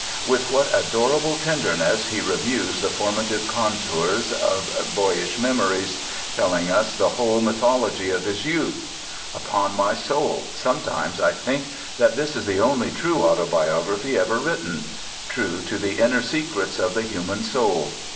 With what adorable tenderness he reviews the formative contours of boyish memories, telling us the whole mythology of his youth! Upon my soul, sometimes I think that this is the only true autobiography ever written: true to the inner secrets of the human soul.